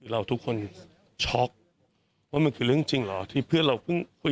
เราทุกคนช็อกว่ามันคือเรื่องจริงเหรอที่เพื่อนเราเพิ่ง